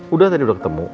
udah tadi udah ketemu